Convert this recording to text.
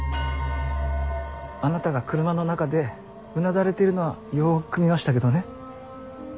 あなたが車の中でうなだれてるのはよく見ましたけどね。